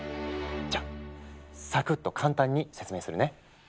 じゃあサクッと簡単に説明するね。